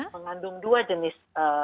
mengandung dua jenis